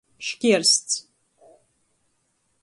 Škiersts.